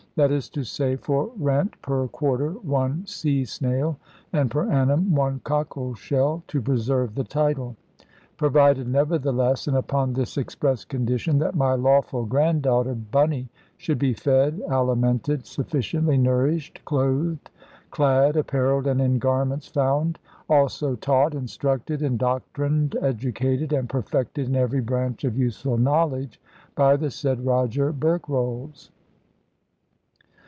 "That is to say for rent per quarter, one sea snail, and per annum one cockleshell, to preserve the title; provided nevertheless and upon this express condition that my lawful granddaughter Bunny should be fed, alimented, sufficiently nourished, clothed, clad, apparelled, and in garments found; also taught, instructed, indoctrined, educated and perfected in every branch of useful knowledge by the said Roger Berkrolles.